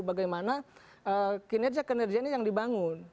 bagaimana kinerja kinerjanya yang dibangun